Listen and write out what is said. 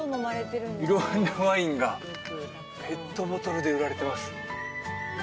色んなワインがペットボトルで売られてます